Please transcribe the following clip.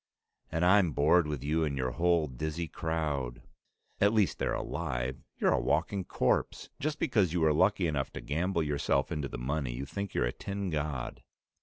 "And I'm bored with you and your whole dizzy crowd." "At least they're alive. You're a walking corpse. Just because you were lucky enough to gamble yourself into the money, you think you're a tin god."